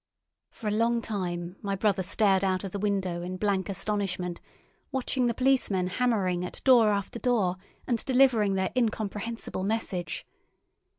For a long time my brother stared out of the window in blank astonishment, watching the policemen hammering at door after door, and delivering their incomprehensible message.